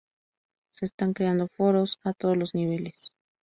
Se están creando foros a todos los niveles.